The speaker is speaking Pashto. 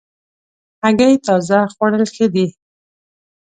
هګۍ تازه خوړل ښه دي.